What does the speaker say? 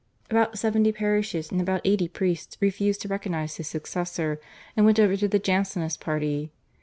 About seventy parishes and about eighty priests refused to recognise his successor, and went over to the Jansenist party.